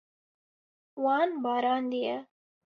Wan barandiye.